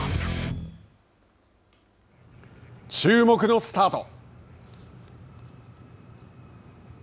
注目のスタート。